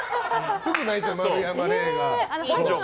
すぐ泣いちゃう、丸山礼が。